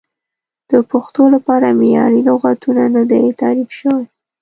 د پښتو لپاره معیاري لغتونه نه دي تعریف شوي.